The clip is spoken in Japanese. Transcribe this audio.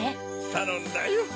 たのんだよ。